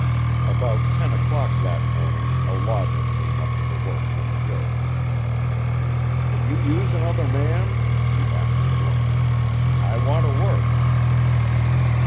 About ten o'clock that morning a logger came up to the works on the hill. "Can you use another man?" he asked bluntly. "I want to work."